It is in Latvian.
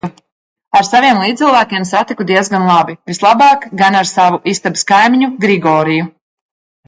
Ar saviem līdzcilvēkiem satiku diezgan labi, vislabāk gan ar savu istabas kaimiņu Grigoriju.